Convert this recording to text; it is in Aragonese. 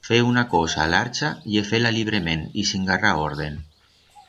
Fer una cosa a l'archa ye fer-la librement y sin garra orden.